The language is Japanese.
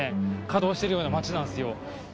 稼働してるような街なんすよ